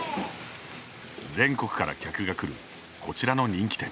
全国から客が来るこちらの人気店。